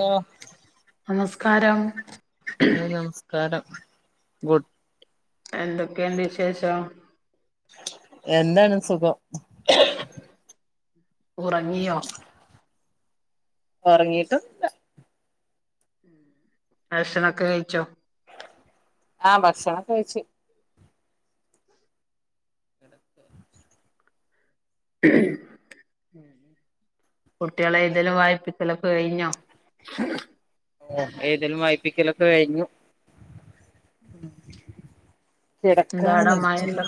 ആഹ് നമസ്കാരം ഹായ് നമസ്കാരം ഗുഡ് എന്തൊക്കേണ്ട് വിശേഷം എന്താണ് സുഖം ഉറങ്ങിയോ? ഉറങ്ങീട്ടൊന്നുല്ല ഭക്ഷണൊക്കെ കഴിച്ചോ? ആഹ് ഭക്ഷണൊക്കേ കഴിച്ച് [inaudible] [unintelligible] കുട്ടികളെ എയ്തലും വായിപ്പിക്കലൊക്കെ കഴിഞ്ഞോ? ഏ എയ്തലും വായ്പ്പിക്കലൊക്കെ കഴിഞ്ഞു എന്താ ഔടെ മഴ കിടക്കാനിരിക്ക ണ്ടോ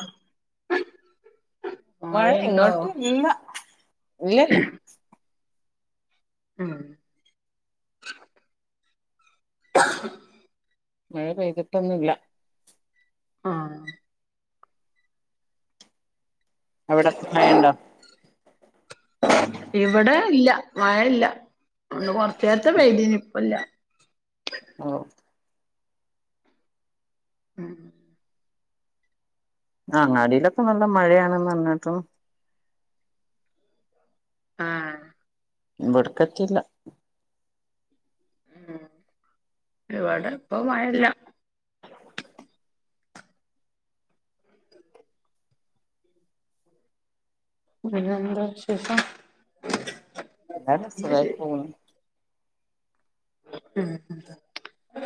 മഴ ഇങ്ങോട്ട് ഇല്ല ഇല്ലല്ല ഉം [inaudible] മഴ പെയ്തിട്ടൊന്നുല്ല ആഹ് അവിടെ മഴണ്ടോ? ഇവിടെ ഇല്ല മഴല്ല ഇന്ന് കുറച്ചേരത്തെ പെയ്തീനി ഇപ്പോ ല്ല ഓ ഉം ആ അങ്ങാടിയിലൊക്കെ നല്ല മഴയാണെന്ന് പറഞേട്ടു ആഹ് ഇവടെക്കെത്തീല ഉം ഇവിടെ ഇപ്പൊ മഴല്ല പിന്നെന്താ വിശേഷം നല്ലാണ് സുഖായിട്ട് പോകുന്നു മ് മ്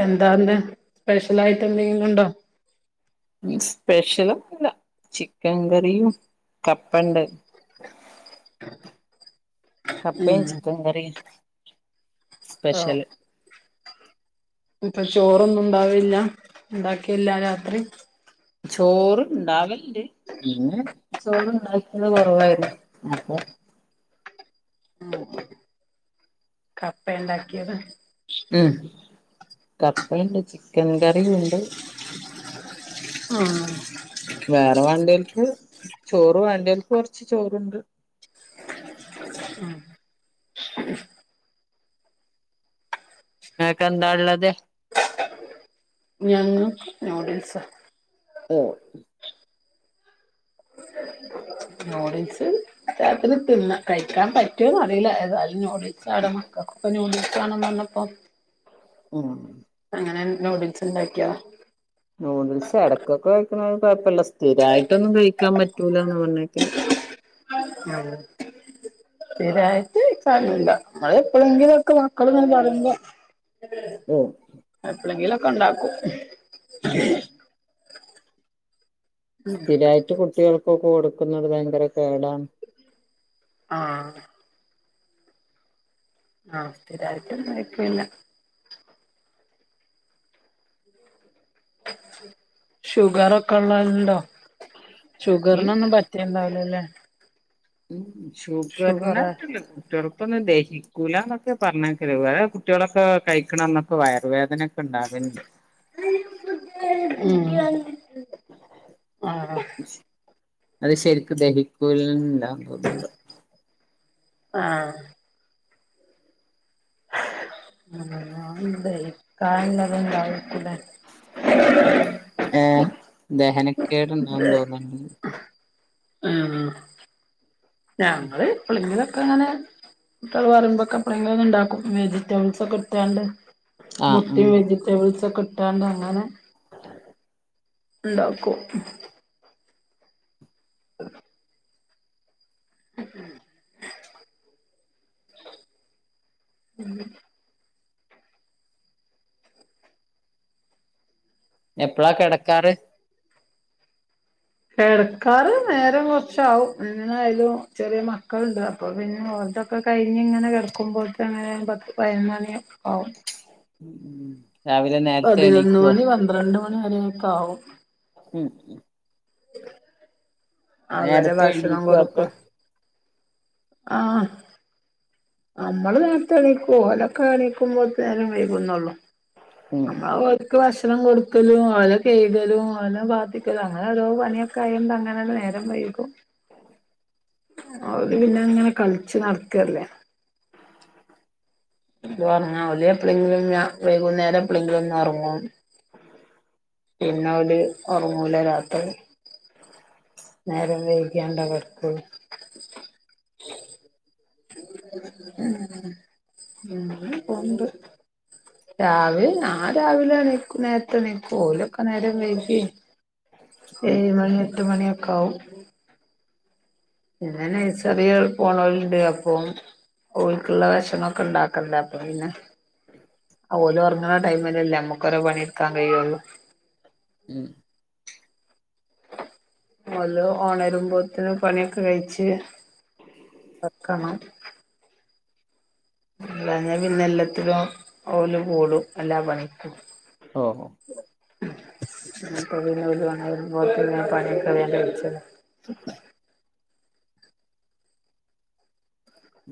എന്താന്ത്‌ സ്പെഷ്യലായിട്ട് എന്തെങ്കിലും ഉണ്ടോ സ്പെഷ്യലൊന്നുല്ല ചിക്കൻ കറിയും കപ്പെണ്ട് [unintelligible] ഉം കപ്പയും ചിക്കൻ കറിയും സ്പെഷ്യല് ഇനിപ്പ ചോറൊന്നും ഉണ്ടാവലില്ല ഇണ്ടാക്കീല്ലാ രാത്രി ചോർ ഇണ്ടാവലിണ്ട് ഇന്ന് ചോറ് ഇണ്ടാക്കിയത് കൊറവായിരുന്നു അപ്പൊ ഉം ഉം കപ്പേ ഇണ്ടാക്കിയത് ഉം കപ്പെയെണ്ട് ചിക്കൻ കറീയുണ്ട് ഉം വേറെ വേണ്ടിയോൽക്ക് ചോറ് വേണ്ടിയോൽക്ക് കൊറച്ച് ചോറിണ്ട് ആഹ് നിങ്ങക്കെന്താള്ളത് ഞങ്ങക്ക് ന്യൂഡിൽസാ [unintelligible] [unintelligible] ന്യൂഡീൽസ് രാത്രിയിൽ തിന്ന കഴിക്കാൻ പറ്റോന്ന് അറിയില്ല ഏതായാലും ന്യൂഡി ത്സാണ് മക്കക്കൊക്കെ ന്യൂഡിൽസ് വേണോന്ന് പറഞ്ഞപ്പോ ഉം അങ്ങനെ നൂഡിൽസ് ഇണ്ടാക്കിയതാ ന്യൂഡിൽസ് എടയ്ക്കൊക്കെ കഴിക്കണയില് കൊഴപ്പില്ല സ്ഥിരായിട്ടൊന്നും കഴിക്കാൻ പറ്റൂല്ലാന്ന പറഞ്ഞേക്കല് [unintelligible] സ്ഥിരായിട്ട് കഴിക്കലില്ല്യ ഞങ്ങള് എപ്പൊഴെങ്കിലൊക്കെ മക്കളിങ്ങനെ പറയുമ്പ ഓ എപ്പളങ്കിലുവൊക്കെ ഒണ്ടാക്കും സ്ഥിരായിട്ട് കുട്ടികൾക്കൊക്കെ കൊടുക്കുന്നത് ഭയങ്കര കേടാണ് ആഹ് ആഹ് സ്ഥിരായിട്ടൊന്നും കൈക്കലില്ല ഷുഗറൊക്കെ ഒള്ളോലിൻണ്ടോ ഷുഗറിനൊന്നും പ റ്റെണ്ടാവുല്ലല്ലെ ഉം ഷുഗർനേറ്റല്ലേ കുട്ടികൾക്കൊന്നും ദഹിക്കൂലാന്നൊക്കെ പറഞ്ഞേക്കല് ഇവ്ടെ കുട്ടികളൊക്കെ കഴിക്കണന്നൊക്കെ വയറ് വേദന ക്കെണ്ടാവലെണ്ട് ഉം അത് ശരിക്കു ദഹികൂല [unintelligible] തോന്നെണ്ട് ആഹ് [unintelligible] ഏഹ് ദഹനക്കേടിണ്ടാവും തോന്ന്ണ്ട് ആഹ് ഞങ്ങള് പ്പളങ്കിലൊക്കെ അങ്ങനെ കുട്ട്യള് പറയുമ്പോക്കെ എപ്പളേലൊക്കെ ഇണ്ടാക്കും വെജിറ്റബിൾസക്കെ ഇട്ടാണ്ട് ആഹ് മുട്ടീം ആഹ് വെജിറ്റബിൾസൊക്കെ ഇട്ടാണ്ട് അങ്ങനെ [unintelligible] ഇണ്ടാക്കും [unintelligible] [inaudible] എപ്പളാ കിടക്കാറ് കെടക്കാറ് നേരം കൊറച്ചാവും എങ്ങനായാലും ചെറിയ മക്കളെണ്ട് അപ്പൊ പിന്നെ ഓൽടൊ ഒക്കെ കഴിഞ്ഞിങ്ങനെ കിടക്കുമ്പോത്തിന് എങ്ങനേയിലും പത്ത് പയ്നൊന്നണി ആവും ഉം രാവിലെ നേരത്തെ എണിക്കോ രണ്ട് മണി വരേക്കാവും ഉം [inaudible] അവരെ നേരത്തെ ഭക്ഷണം എണീക്കോ കൊടുക്ക് അപ്പൊ ആഹ് നമ്മള് നേരത്തെണീക്കും ഓലൊക്കെ എണിക്കുമ്പോത്തേന് നേരം വൈകുന്നുള്ളൂ ഉം നമ്മള ട്ടിക്ക് ഭക്ഷണം കൊട്ക്കലും ഓലെ കഴ്കലും ഓലെ പാത്തിക്കലും അങ്ങനൊരോ പണിയൊ ക്കായൊണ്ട അങ്ങനാണ്ട് നേരം വൈകും ഓല് പിന്നെങ്ങനെ കളിച്ച് നടക്കല്ലേ ഇത് പറഞ്ഞ ഓല് എപ്പളെങ്കിലും ഞ വൈകുന്നേരം എപ്പളെങ്കിലൊന്ന് ഒറങ്ങും പിന്നെ ഓല് ഒറങ്ങൂല രാത്രി [unintelligible] നേരം വൈക്യാണ്ടെ കടക്കൊള്ളു ആഹ് അങ്ങനെ അങ്ങനെ പോണ്ട് രാവിലെ ഞാൻ രാവിലെ എണീക്കും നേരത്തെണീക്കും ഓലൊക്കെ നേരം വൈകി ഉം ഏഴ്മണി എട്ട് മണിയൊക്കാവും പിന്നെ നെയ്സറി പോണോല്ണ്ട് അപ്പൊ ഓല്ക്ക്ള്ള ഭക്ഷണോക്കെ ഇണ്ടാക്കണ്ടേ അപ്പംപിന്നെ ഓലൊറ്ങ്ങ്ണ ടൈമിലല്ലേ നമ്മ്ക്കൊരോ പണിട്ക്കാൻ കയ്യോള്ളൂ ഉം ഓല്ല് ഓണരുമ്പോത്തിന് പണിയൊക്കെ കഴിച്ച് വെക്കണം ഇല്ലാഞ്ഞ പിന്നെല്ലത്തിനും ഓല് കൂടും എല്ലാ പണിക്കും ഓഹ് [inaudible] അപ്പോ പിന്നെ ഓല് ഓണരുമ്പോത്തിന് ഞാൻ പണിയൊക്കെ വേം കയ്ച്ചെക്കും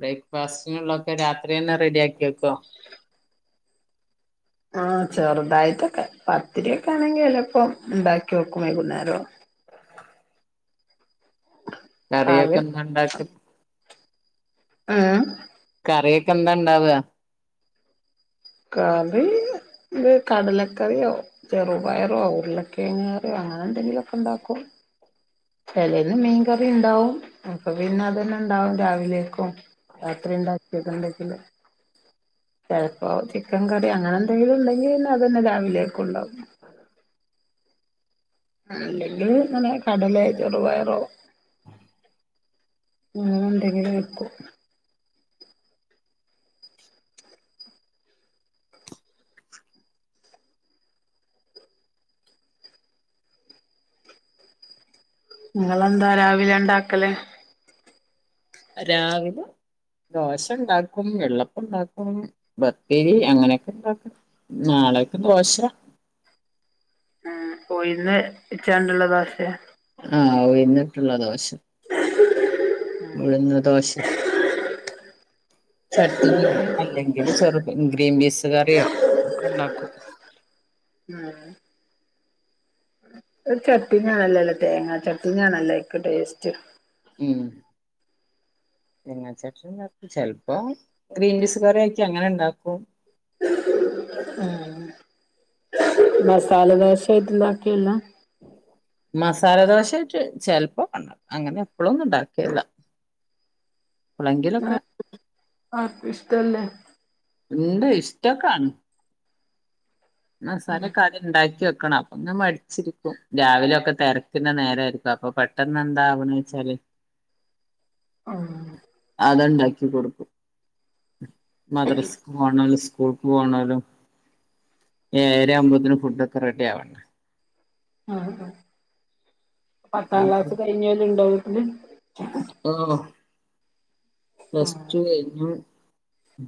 ബ്രേക്ക്ഫാസ്റ്റിനുള്ളോക്കെ രാത്രി തന്നെ റെഡിയാക്കിക്കോ ആഹ് ചെറ്തായിട്ടൊക്കെ പത്തിരിയൊക്കെ ആണെങ്കി ചെലപ്പം ഇണ്ടാക്കി വെക്കും വൈകുന്നേരം കറിയൊക്കെ കാവ്യം എന്താ ഉണ്ടാക്കല് ഉം കറിയൊക്കെ എന്താണ്ടാവ കറി ത് കടലക്കറ്യോ ചെറുപയറോ ഉറ്ളക്കേങ്ങ് കറ്യോ അങ്ങനെന്തെങ്കിലൊക്കെ ഇണ്ടാക്കും ചെലേന്ന് മീൻകറിണ്ടാവും അപ്പൊ പിന്നെ അതന്നെണ്ടാവും രാവിലേക്കും രാത്രി ഇണ്ടാക്കിത്ണ്ടെങ്കില് ചെലപ്പോ ചിക്കൻ കറി അങ്ങനെ എന്തേലും ഇണ്ടെങ്കില് പിന്നെ അതെന്നെ രാവിലേക്കും ഇണ്ടാവും ആ അല്ലെങ്കില് ഇങ്ങനെ കടലേ ചെറ്പയറോ അങ്ങനെന്തെങ്കിലും വെക്കും നിങ്ങളെന്താ രാവിലെ ഇണ്ടാക്കല് രാവിലെ ദോശണ്ടാക്കും വെള്ളപ്പണ്ടാക്കും പത്തിരി അങ്ങനെയൊക്കെ ഇണ്ടാക്കും നാളക്ക് ദോശ മ്മ് ഉഴുന്ന് വെച്ചാണ്ട്ള്ള ദോശേ ആഹ് ഉഴുന്ന്ട്ട്ള്ള ദോശ ഉഴുന്ന് ദോശ ചട്ട്ന്യോ അല്ലെങ്കില് ചെറുപ ഇൻ ഗ്രീൻപീസ് കറ്യോ ഒക്കെ ഇണ്ടാക്കും ഉം ഒരു ചട്ടീനാണല്ലല്ലേ തേങ്ങാ ചട്ടിനി ആണല്ലോ അയിക്ക് ടേസ്റ്റ് ഉം തേങ്ങാ ചട്ട്നിണ്ടാക്കും ചെലപ്പോ ഗ്രീൻപീസ്ക്കറ്യാക്കി അങ്ങനെ ഇണ്ടാക്കും ആഹ് മസാല ദോശയിട്ട് ഇണ്ടാക്കലില്ല മസാലദോശായിട്ട് ചെലപ്പോക്കെ ഇണ്ട അങ്ങനെ എപ്പളൊന്നും ഇണ്ടാക്കലില്ല ആ എപ്പളെങ്കിലൊക്കെ ആർക്കും ഇഷ്ടല്ലേ ഇണ്ട് ഇഷ്ട്ടക്കാണ് മാസാലക്കാദ്യ ഇണ്ടാക്കി വെക്കണം അപ്പൊന്ന് മടിച്ചിരിക്കും രാവിലൊക്കെ തെരക്കിന്റെ നേരയിരിക്കും അപ്പൊ പെ ട്ടെന്നെന്താ ആവ്ണെച്ചാല് [inaudible] അത് ഉണ്ടാക്കി കൊടുക്കും മദ്രസക്ക് പോണാലും സ്കൂൾക്ക് പോണാലും ഏരാ ആമ്പോത്തേന് ഫുഡൊക്കെ റെഡിയവണ്ടെ ഉം പത്താം അപ്പൊ ക്ലാസ് കഴിഞ്ഞന്ന ഇണ്ടോ വീട്ടില് ഓഹ് ആ പ്ലസ് ടു കഴിഞ്ഞു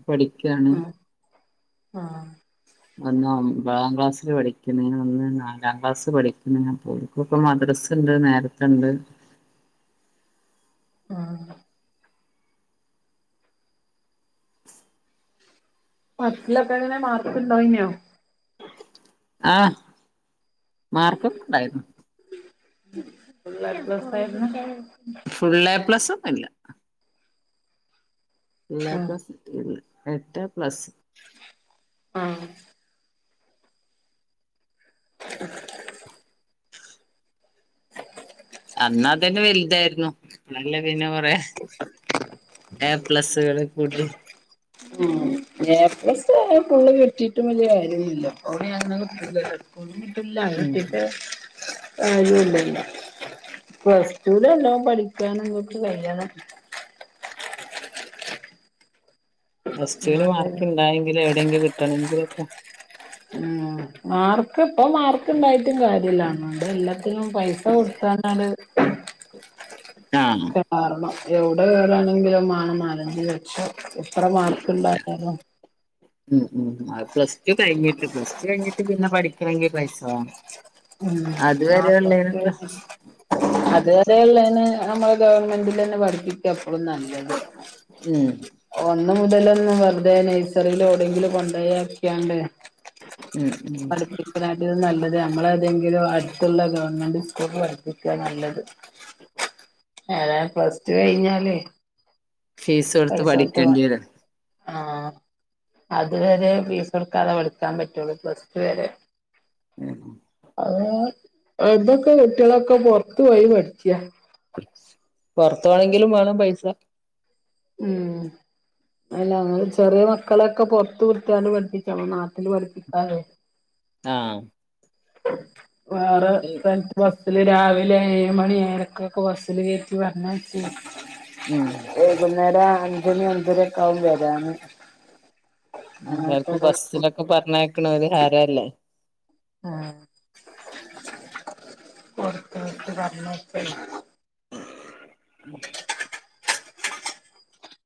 പഠിക്കയാണ് ആഹ് ഒന്ന് ഒമ്പതാം ക്ലാസ്സിൽ പഠിക്കുന്ന ഒന്ന് നാലാം ക്ലാസ് പഠിക്കുന്നാ പോലും ഇപ്പ മദ്രസ്ണ്ട് നേരത്ത ഉണ്ട് ആഹ് പത്തിലൊക്കെങ്ങനെ മാർക്കുണ്ടോനെയോ ആഹ് മാർക്കൊക്കെ ണ്ടായിരുന്നു ഫുള്ള് എ പ്ലസ്സായിരുന്നു ഫുൾ എ പ്ലസ്സന്നുല്ല [unintelligible] പ്ലസ് എട്ട് എ പ്ലസ് ആഹ് അന്നതന്നെ വലുതായിരുന്നു ഇപ്പളല്ലേ പിന്നെ കൊറ എ പ്ലസ്സുകള കൂട്ടി എ പ്ലസ് ഫുള്ള് കെട്ടിയിട്ടും വലിയ കാര്യൊന്നില്ല [unintelligible] കിട്ടീട്ടില്ല ഉം കിട്ടിട്ട് കാര്യുല്ലല്ലോ പ്ലസ് ടുലല്ലോ പഠിക്കാനങ്ങോക്ക് കയ്യണം പ്ലസ്ടു എന്നാലേ മാർക്ക് ഉണ്ടായെങ്കിൽ എവിടെയെങ്കിലും കിട്ടണങ്കിലൊക്കെ ഉം ആർക്ക ഇപ്പ ആർക്കുണ്ടായിട്ടും കാര്യല്ലണണ്ട് എല്ലാത്തിനും പൈസ കൊടുത്താനാണ് [inaudible] ആഹ് കാരണം എവിടെ കേറാണെങ്കിലും മാണം നാലഞ്ച് ലക്ഷം എത്ര മാർക്ക് ഇണ്ടായാലും [inaudible] ഉം ഉം അത് പ്ലസ് ടു കഴിഞ്ഞിട്ട് പ്ലസ് ടു കഴിഞ്ഞിട്ട് പിന്നെ പഠിക്കണെങ്കിൽ പൈസ വാണം ഉം ആ പ്ലസ് ടു കഴിഞ്ഞ് അത്വരെയള്ളെന് നമ്മളെ ഗവൺമെന്റിൽന്നെ പഠിപ്പിക്ക എപ്പളും നല്ലത് ഉം [inaudible] ഒന്ന് മുതലന്ന് വെറുതെ നൈസറിൽ ഒന്നും എവിടെങ്കിലും കൊണ്ടക്ക്യ ണ്ട് ഉം ഉം അത് നല്ലത് നമ്മളെഏതെങ്കിലും അടുത്തുള്ള ഗവൺമെന്റ് സ്കൂള പഠിപ്പിക്ക നല്ലത് ഏതയാലും പ്ലസ് ടു കഴിഞ്ഞാല് ഫീസ് കൊടുത്ത് പൈസ കൊടുത്ത പഠിക്കേണ്ടി വേണം വരും ആഹ് അത്വരെ ഫീസ് കൊടുക്കാതെ പഠിക്കാൻ പറ്റുള്ളൂ പ്ലസ്റ് റ്റുവരെ ഉം ആഹ് ഇവിടെ ള്ള കുട്ടികളൊക്കെ പൊറത്തു പോയി പഠിക്കിയാ പുറത്ത വേണെങ്കിലും വേണം പൈസ ഉം അല്ല ചെറിയ മക്കളൊക്കെ പുറത്ത് നിർത്തിയാണ്ട് പഠിപ്പിച്ച നമ്മ നാട്ടില് പഠിപ്പിക്കാതെ ആഹ് വേറെ എന്താണ് ബസ്സില് രാവിലെ ഏഴ് മണി ഏഴരക്കൊക്കെ ബസ്സില് കയറ്റി പറഞ്ഞച്ച ഉം വൈകുന്നേരം അഞ്ചണി അഞ്ചര ഒക്കെ ആകും വരാന് അങ്ങനത്തെ എല്ലാർക്കും ഒരു ബസ്സിലൊക്കെ പറഞ്ഞേക്കണ ഒരു ഹരല്ലേ ഉം പൊറത്ത പോയിട്ട പറഞ്ഞയക്ക ഉ